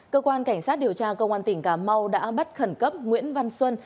cơ quan cảnh sát điều tra công an tỉnh cà mau đã bắt khẩn cấp nguyễn văn xuân